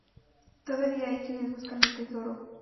Todavía hay quienes buscan el tesoro.